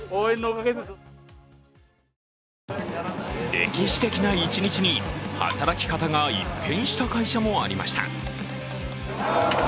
歴史的な一日に、働き方が一変した会社もありました。